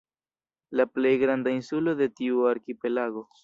La plej granda insulo de tiu arkipelago.